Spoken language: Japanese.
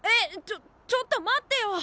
ちょちょっと待ってよ！